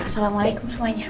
ya assalamualaikum semuanya